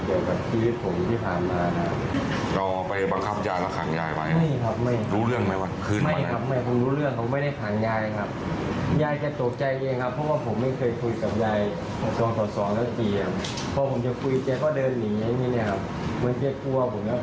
แต่ว่าผมไม่ได้ทำอะไรเกี่ยว